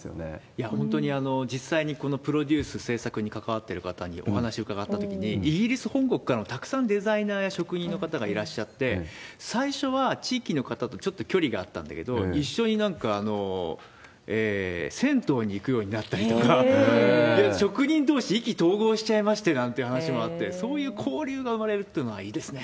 いや、本当に実際にこのプロデュース、製作に関わってる方にお話伺ったときに、イギリス本国からもたくさんデザイナーや職人の方がいらっしゃって、最初は地域の方とちょっと距離があったんだけど、一緒になんか銭湯に行くようになったりとか、職人どうし意気投合しちゃいましてなんて話もあって、そういう交流が生まれるってのはいいですね。